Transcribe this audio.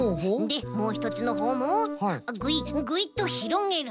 でもうひとつのほうもぐいっぐいっとひろげる。